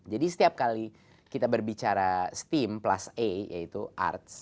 jadi setiap kali kita berbicara steam plus a yaitu arts